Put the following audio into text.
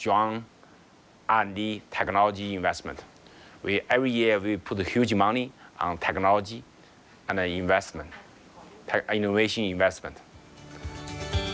จากนั้นเนื้อมันจะเงินมามากมีเงินให้ตามเวลาสำคัญ